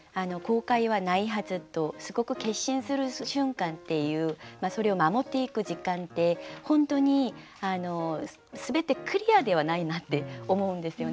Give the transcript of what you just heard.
「後悔はないはず」とすごく決心する瞬間っていうそれを守っていく時間って本当に全てクリアではないなって思うんですよね。